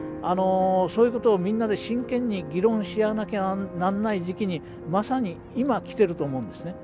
そういうことをみんなで真剣に議論し合わなきゃなんない時期にまさに今きてると思うんですね。